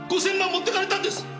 持ってかれたんです！